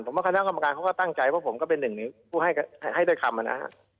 ผมว่าคณะกรรมการเขาก็ตั้งใจเพราะผมก็เป็นหนึ่งในผู้ให้ด้วยคำนะฮะ